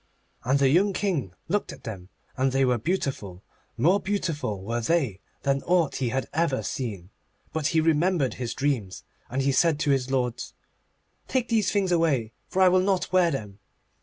And the young King looked at them, and they were beautiful. More beautiful were they than aught that he had ever seen. But he remembered his dreams, and he said to his lords: 'Take these things away, for I will not wear them.